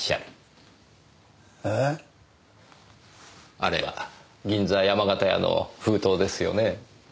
あれは銀座山形屋の封筒ですよね？